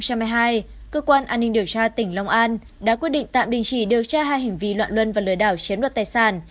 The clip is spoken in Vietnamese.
cơ quan an ninh điều tra tỉnh long an đã quyết định tạm đình chỉ điều tra hai hình ví loạn luân và lừa đảo chiếm luật tài sản